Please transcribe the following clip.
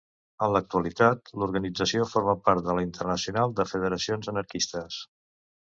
En l'actualitat l'organització forma part de la Internacional de Federacions Anarquistes.